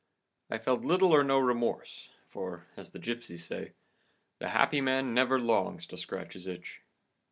I felt little or no remorse, for, as the gipsies say, 'The happy man never longs to scratch his itch.